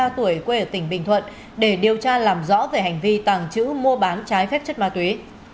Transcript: ba mươi tuổi quê ở tỉnh bình thuận để điều tra làm rõ về hành vi tàng trữ mua bán trái phép chất ma túy